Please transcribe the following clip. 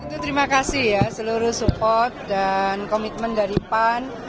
itu terima kasih ya seluruh support dan komitmen dari pan